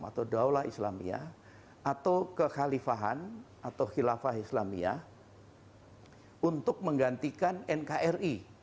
atau daulah islamia atau kekhalifahan atau khilafah islamia untuk menggantikan nkri